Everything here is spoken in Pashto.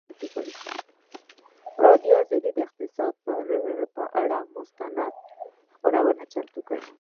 ازادي راډیو د اقتصاد پر اړه مستند خپرونه چمتو کړې.